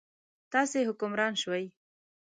تاسې حکمران شوئ.